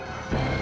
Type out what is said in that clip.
dia pasti mati